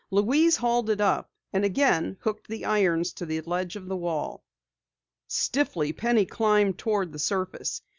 Louise hauled it up, and again hooked the irons to the ledge of the well. Stiffly, Penny climbed toward the surface.